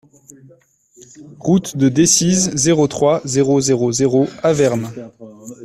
Route de Decize, zéro trois, zéro zéro zéro Avermes